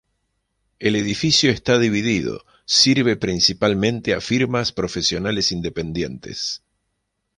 El edificio está dividido sirve principalmente a firmas profesionales independientes.